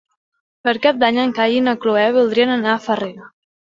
Per Cap d'Any en Cai i na Cloè voldrien anar a Farrera.